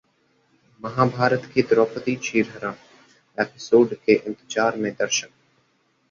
महाभारत के 'द्रौपदी चीर हरण' एपिसोड के इंतजार में दर्शक